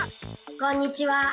こんにちは。